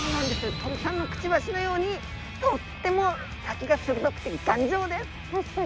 鳥さんのくちばしのようにとっても先がするどくてがんじょうです。